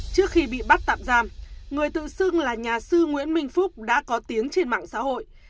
trước khi bị bắt tạm giam người tự xưng là nhà sư nguyễn minh phúc đã có tiếng trên mạng xã hội